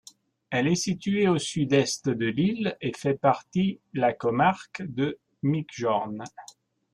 Elle est située au sud-est de l'île et fait partie la comarque de Migjorn.